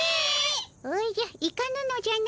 おじゃ行かぬのじゃな。